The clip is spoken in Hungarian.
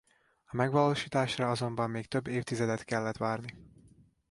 A megvalósításra azonban még több évtizedet kellett várni.